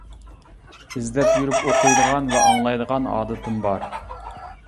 ئىزدەپ يۈرۈپ ئوقۇيدىغان ۋە ئاڭلايدىغان ئادىتىم بار.